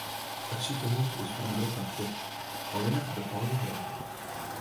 It sikehûs is foar in grut part ticht, allinnich de poly draait noch.